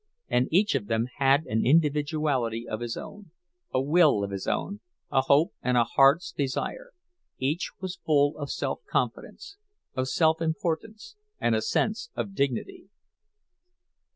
And each of them had an individuality of his own, a will of his own, a hope and a heart's desire; each was full of self confidence, of self importance, and a sense of dignity.